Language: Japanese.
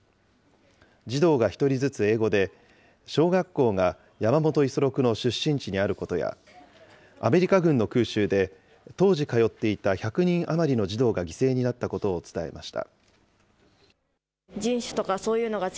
児童が１人ずつ英語で、小学校が山本五十六の出身地にあることや、アメリカ軍の空襲で当時通っていた１００人余りの児童が犠牲になったことを伝えました。